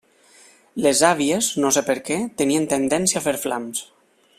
Les àvies, no sé per què, tenien tendència a fer flams.